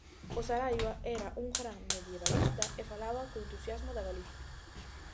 O Saraiva era un gran medievalista e falaba con entusiasmo da Galiza.